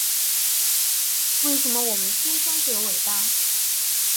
为什么我们天生就有尾巴